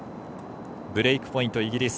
ブレークポイントイギリス。